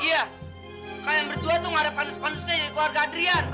iya kalian berdua tuh gak ada panas panasnya di keluarga adrian